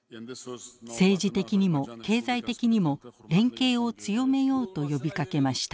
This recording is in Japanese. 政治的にも経済的にも連携を強めようと呼びかけました。